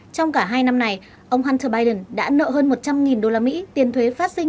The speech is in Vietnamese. trong cả hai năm này ông hunter biden đã nợ hơn một trăm linh usd tiền thuế phát sinh